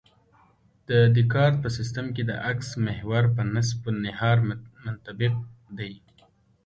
د دیکارت په سیستم کې د اکس محور په نصف النهار منطبق دی